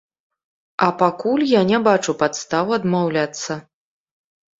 А пакуль я не бачу падстаў адмаўляцца.